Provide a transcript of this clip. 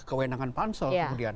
kewenangan pansel kemudian